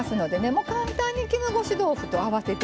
もう簡単に絹ごし豆腐と合わせて頂く。